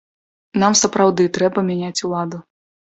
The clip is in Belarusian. Нам сапраўды трэба мяняць уладу.